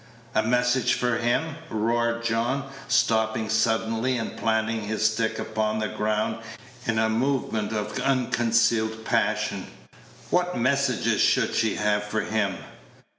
"A message for him!" roared John, stopping suddenly, and planting his stick upon the ground in a movement of unconcealed passion; "what messages should she have for him?